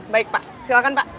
baik pak silahkan pak